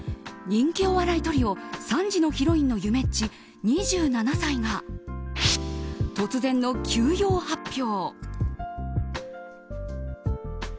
人気お笑いトリオ３時のヒロインのゆめっち、２７歳が突然の休養発表。